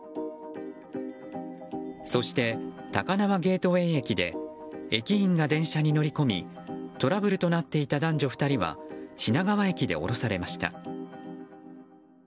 そして、高輪ゲートウェイ駅で駅員が電車に乗り込みトラブルとなっていた男女２人は品川駅で降ろされました。